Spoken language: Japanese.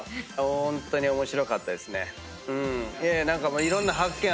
ホントに面白かったですね。